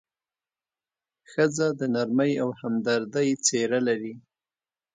ښځه د نرمۍ او همدردۍ څېره لري.